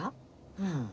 うん。